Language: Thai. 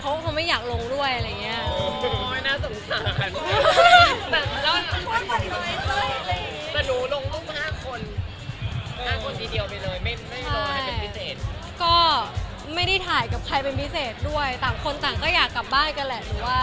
ก็ไม่ได้ถ่ายคุณสองคนคือปีเศษ